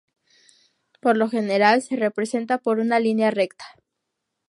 Por lo general se representa por una línea recta.